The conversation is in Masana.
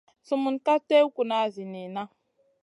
Sumun ka tèw kuna zi niyna.